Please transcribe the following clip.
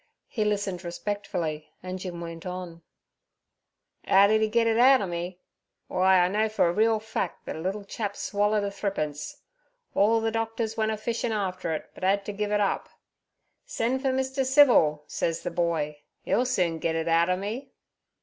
He listened respectfully, and Jim went on: "Ow d'e git it outer me? W'y, I know for a reel fac' that a little chap swallered a thrippence. Orl ther doctors went a fishin' after it, but 'ad ter giv' it up. "Sen' fur Mr. Civil," says ther boy; "'e'll soon git it outer me."'